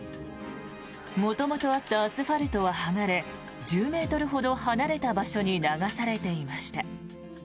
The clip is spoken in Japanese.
元々あったアスファルトは剥がれ１０ｍほど離れた場所に流されていました。